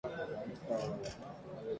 Trabajando un Gusano su capullo